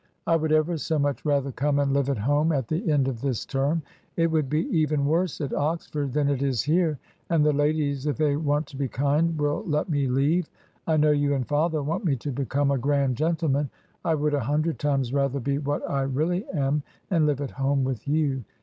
I would ever so much rather come and live at home at the end of this term. It would be even worse at Oxford than it is here; and the ladies, if they want to be kind, will let me leave. I know you and father want me to become a grand gentleman. I would a hundred times rather be what I really am, and live at home with you.